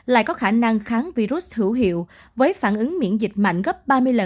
lại có khả năng kháng virus hữu hiệu với phản ứng biến dịch mạnh gấp ba mươi năm